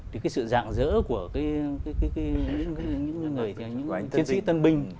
thì cái sự dạng dỡ của những chiến sĩ tân binh